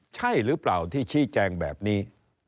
ใช่หรือเปล่าที่ชี้แจงแบบนี้